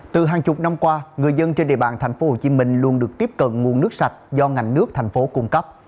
từ hàng chục năm qua người dân trên địa bàn tp hcm luôn được tiếp cận nguồn nước sạch do ngành nước thành phố cung cấp